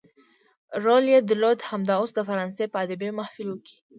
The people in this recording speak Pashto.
رول يې درلود همدا اوس د فرانسې په ادبي محافلو کې.